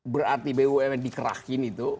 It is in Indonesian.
berarti bumn dikerahin itu